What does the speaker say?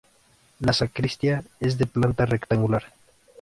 La sacristía es de planta rectangular.